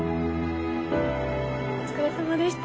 お疲れさまでした。